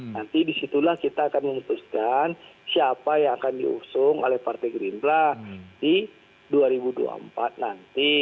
nanti disitulah kita akan memutuskan siapa yang akan diusung oleh partai gerindra di dua ribu dua puluh empat nanti